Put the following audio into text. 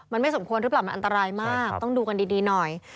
มันไม่สมควรหรือเปล่ามันอันตรายมากต้องดูกันดีหน่อย